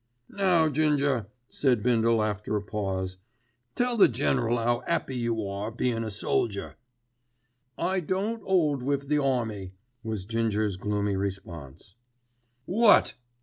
"Now, Ginger," said Bindle after a pause, "tell the General 'ow 'appy you are bein' a soldier." "I don't 'old wiv the army," was Ginger's gloomy response. "What!"